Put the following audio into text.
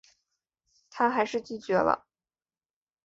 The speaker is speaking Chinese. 她还是拒绝了